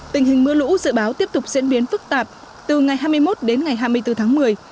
tình hình mưa lũ dự báo tiếp tục diễn biến phức tạp từ ngày hai mươi một đến ngày hai mươi bốn tháng một mươi